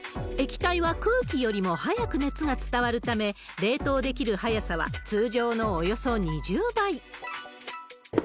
液体は空気よりも早く熱が伝わるため、冷凍できる速さは通常のおよそ２０倍。